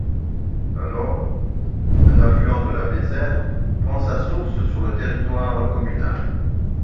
La Loyre, un affluent de la Vézère, prend sa source sur le territoire communal.